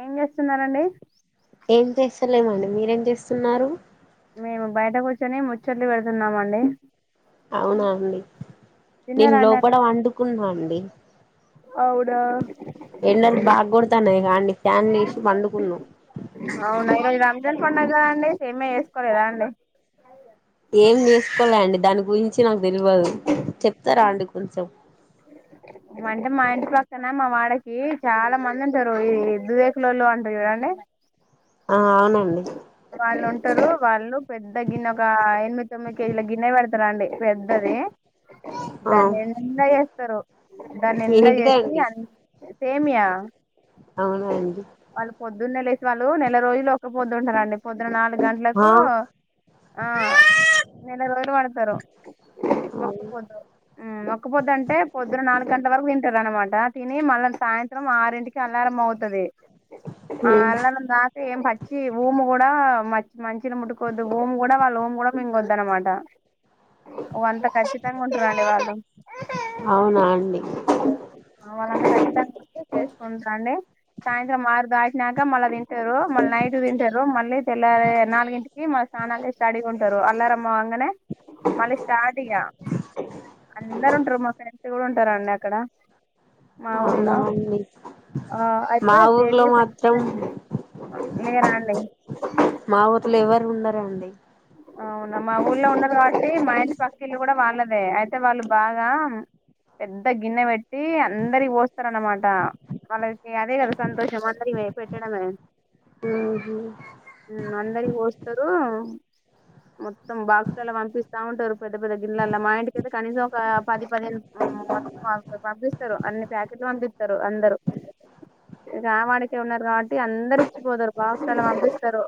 ఏం చేస్తున్నరండి ఏం చేస్తలేమండి మీరేం చేస్తున్నారు మేము బయట కూర్చొని ముచ్చట్లు పెడుతున్నామండి అవునా అండి నేను తిన్నారా అండి లోపల అన్నం వండుకున్నా అండి వేం అవునా బాగా కొడతాన్నాయిగా అండి ఫ్యాన్లు వేసి పండుకున్నాం అవునా మరి రంజాన్ పండగ గదా అండి సేమ్యా చే పడుకాండి ఏం చేసుకోలే అండి దాని గురించి నాకు తెలవదు చెప్తారా అండి కొంచెం అంటే మా ఇంటి పక్కన మా వాడకి చాలా మంది ఉంటారు ఈ దువేకులోళ్ళు అంటారు చూడండి ఆ అవునండి వాళ్ళు ఉంటారు వాళ్ళు పెద్ద గిన్నె ఒక ఎనిమిది తొమ్మిది కేజీల గిన్నె పెడతారండి పెద్దదీ ఆ దాన్నిండ చేస్తారు దాన్నిండ ఏంటిదో చేసి అండి సేమియా అవునా అండి వాళ్ళు పొద్దున్నే లే వాళ్ళు నెల రోజులు ఒక పొద్దుంటారండి పొద్దున నాలుగు ఆ గంటలకు ఆ నెల రోజులు పడతారు ఒక్క ఉమ్ పొద్దు హ్మ్ ఒక్క పొద్దు అంటే పొద్దున నాలుగు గంటల వరకు తింటారు అనమాట తిని మళ్ళ సాయంత్రం ఆరు ఇక అలారం మోగుతది ఆ అలానే దాచి పచ్చి ఊము కూడా ఆ మ మంచిని ముట్టుకోవద్దు ఊమ్ కూడా వాళ్ళ ఊమ్ కూడా మింగొద్ అనమాట ఓ అంత ఖచ్చితంగా ఉంటురండి వాళ్ళు అవునా అండి తీసుకుంటరండి సాయంత్రం ఆరు దాటినాక మళ్ళా తింటారు మళ్ళీ నైట్ తింటారు మళ్ళ తెల్ల ఎ నాలుగింటికి మళ్ స్నానాలు చేసి రెడీ గా ఉంటారు అల్లారమ్ మోగంగానే మళ్ళ స్టార్ట్ ఇగ అందరు ఉంటారు మా ఫ్రెండ్స్ కూడా ఉంటారండి అక్కడ మా అవునా ఊలో అండి ఆ అయితే మా ఊర్లో మాత్రం [unintelligible] మీరండి మా ఊర్ల ఎవరు ఉండరండి అవునా మా ఊళ్లో ఉన్నది కాబట్టి మా ఇంటి పక్కిళ్లు కూడా వాళ్ళదే అయితే వాళ్ళు బాగా పెద్ద గిన్నె పె ట్టి అందరికి పోస్తారు అనమాట వాళ్ళకి అదే కదా సంతోషం అందరి పెట్టడమే ఉహు అందరికి పోస్తారు మొత్తం బాక్స్లా పంపిస్తా ఉంటారు పెద్ద పెద్ద ఇల్లలా మా ఇంటికి అయితే కనీసం ఒక పది పదిహేను [inaudible] మా పంపిస్తారు అన్ని ప్యాకెట్లు పంపితారు అందరు ఇక ఆవాడికే ఉన్నారు కాబట్టి అందరు ఇచ్చిపోతారు బాక్సులు పంపిస్తారు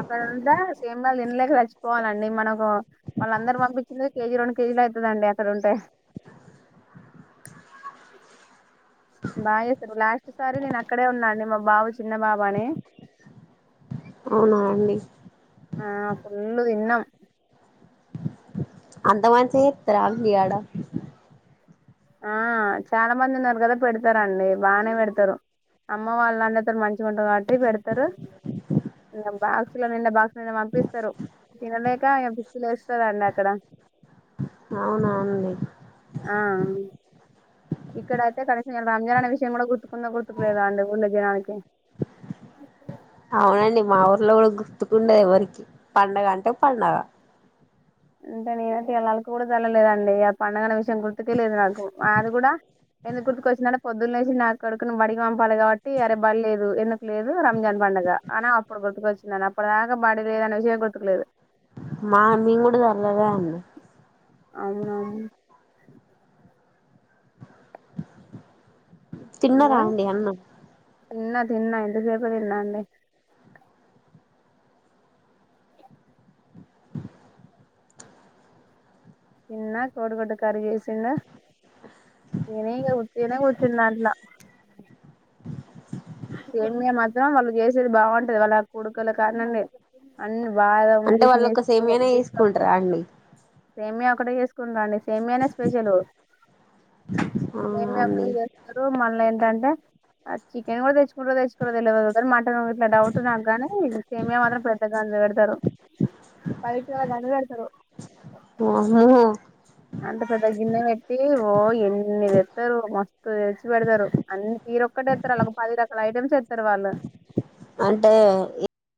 అక్కడ ఉంటే సేమ్యాలు తినలేక చచ్చిపోవాలండి మనకు వాళ్ళఅందరు పంపించింది కేజీ రెండు కేజీ లైతదండి అక్కడ ఉంటే బాగ్ చేస్తారు లాస్ట్ సారి నేను అక్కడే ఉన్నా అండి మా బాబు చిన్న బాబు అని అవునా అండి ఫుల్లు తిన్నం అంత మంచిగ చెప్తారా మీయాడ ఆ చాలా మంది ఉన్నారు కదా పెడతారండి బాగానే పెడతారు అమ్మ వాళ్ళు అందరితోన్ మంచిగుంటారు కాబట్టి పెడతారు ఇంగ బాక్సు లో నిండ బాక్సుల నిండ పంప్పిస్తరు తినలే క్క పిచ్చిలేస్తాదండి అక్కడ అవునవునండి ఆ ఇక్కడ అయితే కనీస రంజాన్ అనే విషయం కూడా గుర్తుకుందా గుర్తుకులేదా అండి ఊళ్ళ జనానికి అవునండి మాఊ లో గుర్తుకుండ ఎవరికి పండుగ అంటే పండుగ అంటే నేనైతే ఇయ్యల్లాలకు కూడా చల్లలేదండి ఆ పండుగా కొంచం గుర్తుకే లేదు నాకు అది కూడా ఎందు గుర్తుక వచ్చినా పొద్దున్నలేసి నా కడడుకు మరిగాం లే కాబట్టి అరే బల్లేదు ఎందుకు లేదు రంజాన్ పండగ అని అప్పుడు గుర్తుకొచ్చిందని అప్పుడ దాక బడిలేదనే విషయం గుర్తుకులేదు మా మీ కూడార్లేదా అండి అవున ఇగ తిన్నరాండి అన్నం తిన్నా తిన్నా ఇంతసేపే తిన్న అండి తిన్న కోడు గుడ్డు కర్రీ చేేసిండు తిని ఇగ ఉట్టిగనే కూర్చున్న అట్ల సేమీయా మాత్రం వాళ్ చేసేది బాగుంటది వాళ్ళ కుడకల కానుండి అన్ని బాదం అంటే వాళ్ళు ఒక కిస్మిస్ సేమియానే గిడిపప్పు తీసుకుంటారా అండి సేమియా ఒకటే చేసుకుంటరండి సేమియానే స్పెషల్ అవునా సేమ్య అండి ఒక్కటే చేస్తారు మళ్ల ఏంటంటే అ చికెన్ కూడా తెచ్చ మ్రో తెచ్చుకు తెలియదుద అన్నమాట ఇట్లా డౌట్ నాకు గానీ సేమియా మాత్రం పెద్దగా అందగడతారు పరీక్ష అండగడతారు ఆఓహహో అంత పెద్ద గిన్నె పెట్టి ఓ ఎన్నిది ఎస్తారు మస్తు తెచ్చి పెడతారు అన్ని వరొక్కటిస్తారు వాళ్ళ ఒక పది రకల ఐటమ్స్ ఎస్తారు వాళ్ళు అంటే